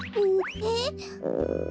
えっ？